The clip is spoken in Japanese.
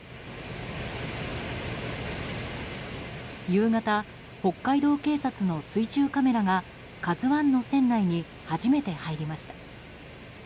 夕方北海道警察の水中カメラが「ＫＡＺＵ１」の船内に初めて入りました。